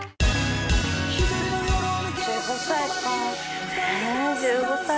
１５歳か。